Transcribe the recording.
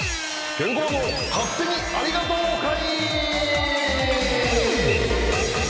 ケンコバの勝手にありがとう会！